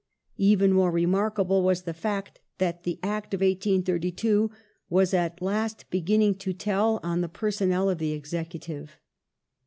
Even more remarkable was the fact that the Act of 1832 was at last beginning to tell on the personnel of the Execu tive.